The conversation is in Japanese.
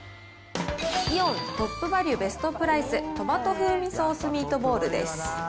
イオントップバリュベストプライス、トマト風味ソースミートボールです。